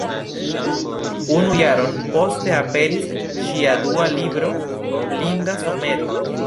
Unu jaron poste aperis ŝia dua libro Blinda somero.